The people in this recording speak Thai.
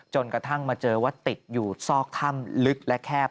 จนกระทั่งมาเจอว่าติดอยู่ซอกถ้ำลึกและแคบ